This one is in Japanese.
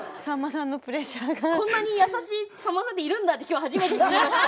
こんなに優しいさんまさんっているんだって今日初めて知りました。